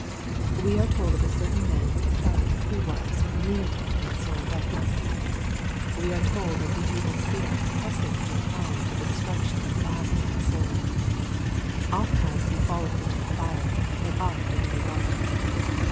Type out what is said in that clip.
We are told of a certain man's son, who was " lunatic and sore vexed." We are told of the evil spirit pressing him on to the destruction of body and soul. " Oft times he falleth into the fire, and oft into the water."